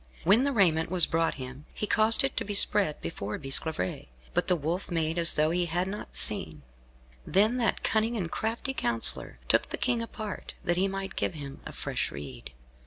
When the raiment was brought him, he caused it to be spread before Bisclavaret, but the Wolf made as though he had not seen. Then that cunning and crafty counsellor took the King apart, that he might give him a fresh rede.